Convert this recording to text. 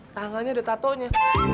tangannya ada tato nya